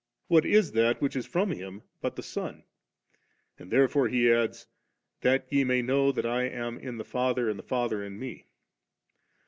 What is that which is from Him but the Son ? And therefore He adds, ' that ye may know that I am in the Father, and the Father in Me.'